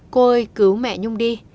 cô ơi cứu mẹ nhung đi